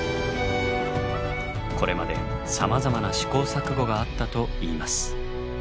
これまでさまざまな試行錯誤があったといいます。